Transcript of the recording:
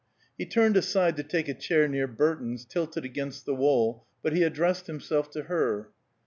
He turned aside to take a chair near Burton's, tilted against the wall, but he addressed himself to her.